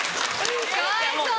かわいそう。